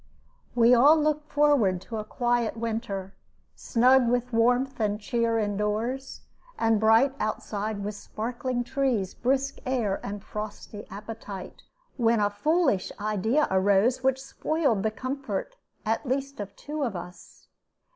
We all looked forward to a quiet winter, snug with warmth and cheer in doors, and bright outside with sparkling trees, brisk air, and frosty appetite, when a foolish idea arose which spoiled the comfort at least of two of us.